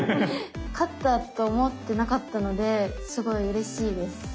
勝ったと思ってなかったのですごいうれしいです。